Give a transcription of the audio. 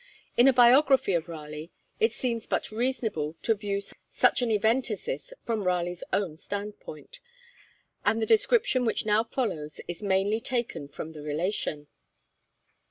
In a biography of Raleigh it seems but reasonable to view such an event as this from Raleigh's own standpoint, and the description which now follows is mainly taken from the Relation.